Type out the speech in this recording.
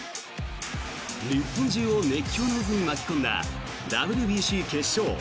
日本中を熱狂の渦に巻き込んだＷＢＣ決勝。